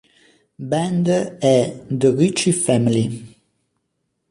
Band e The Ritchie Family.